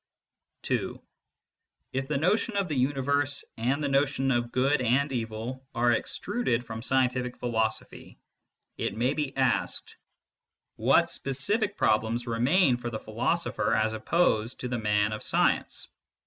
no MYSTICISM AND LOGIC II If the notion of the universe and the notion of good and evil are extruded from scientific philosophy, it may be asked what specific problems remain for the philos opher as opposed to the man of science